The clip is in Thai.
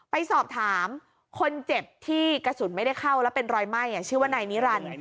ไปสอบถามคนเจ็บที่กระสุนไม่ได้เข้าแล้วเป็นรอยไหม้ชื่อว่านายนิรันดิ์